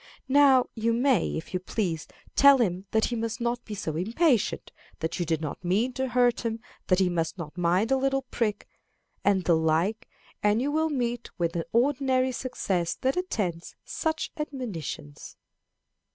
Now you may, if you please, tell him that he must not be so impatient, that you did not mean to hurt him, that he must not mind a little prick, and the like, and you will meet with the ordinary success that attends such admonitions.